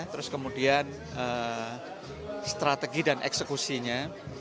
terus kemudian strategi dan eksekusinya